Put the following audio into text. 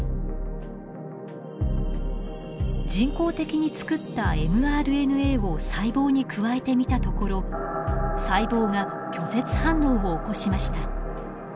人工的に作ったｍＲＮＡを細胞に加えてみたところ細胞が拒絶反応を起こしました。